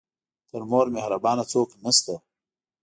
تر مور مهربانه څوک نه شته .